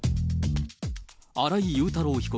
新井雄太郎被告